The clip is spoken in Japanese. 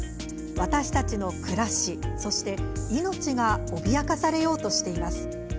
私たちの暮らし、そして命が脅かされようとしています。